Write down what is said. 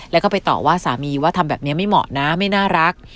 แล้วก็ไปต่อว่าสามีว่าทำแบบนี้ไม่เหมาะนะไม่น่ารัก